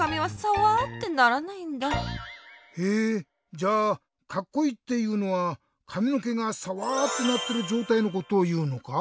じゃあカッコイイっていうのはかみのけがサワってなってるじょうたいのことをいうのか？